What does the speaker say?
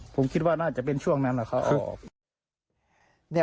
ผมคิดว่าน่าจะเป็นช่วงนั้นแหละครับ